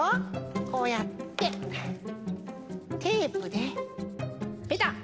こうやってテープでペタッ。